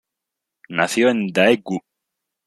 Nació en Daegu.